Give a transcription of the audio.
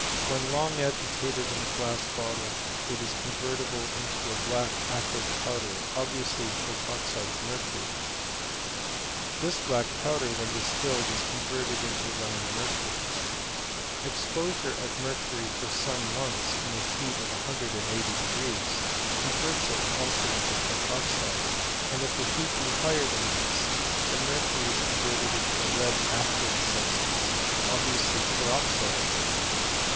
When long agitated in a glass bottle it is con vertible into a black acrid powder, obviously protoxide of mercury. This black powder, when distilled, is converted into running mercury. Exposure of mer cury for some months in a heat of 180°, converts it also into protoxide ; and if the heat be higher than this, the mercury is converted into a red acrid sub stance, obviously peroxide of mercury.